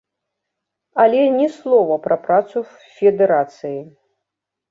Але ні слова пра працу федэрацыі.